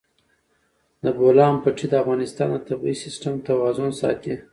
د بولان پټي د افغانستان د طبعي سیسټم توازن ساتي.